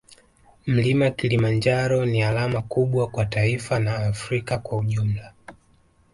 mlima Kilimanjaro ni alama kubwa kwa taifa na afrika kwa ujumla